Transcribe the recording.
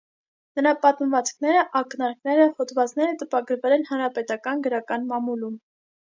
Նրա պատմվածքները, ակնարկները, հոդվածները տպագրվել են հանրապետական գրական մամուլում։